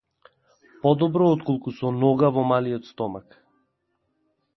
Подобро отколку со нога во малиот стомак.